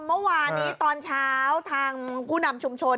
เมื่อวานนี้ตอนเช้าทางผู้นำชุมชน